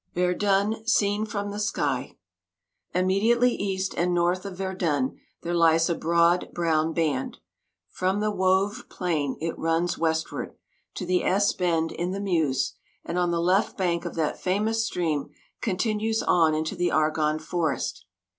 VERDUN, SEEN FROM THE SKY Immediately east and north of Verdun there lies a broad, brown band. From the Woevre plain it runs westward to the "S" bend in the Meuse, and on the left bank of that famous stream continues on into the Argonne Forest.